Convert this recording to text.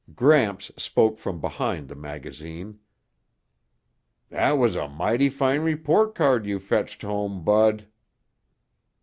Gramps spoke from behind the magazine, "That was a mighty fine report card you fetched home, Bud."